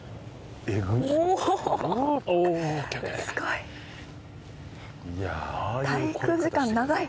すごい！滞空時間長い。